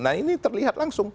nah ini terlihat langsung